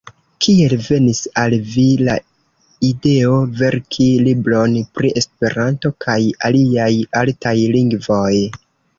Kiel venis al vi la ideo verki libron pri Esperanto kaj aliaj artaj lingvoj?